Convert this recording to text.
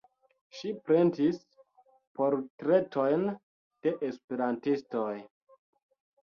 Ŝi pentris portretojn de esperantistoj.